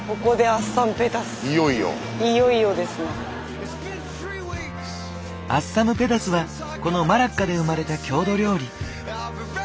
アッサムペダスはこのマラッカで生まれた郷土料理。